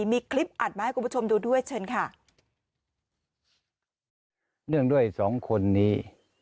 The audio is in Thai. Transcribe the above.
มีคลิปอัดมาให้คุณผู้ชมดูด้วยเชิญค่ะเนื่องด้วยสองคนนี้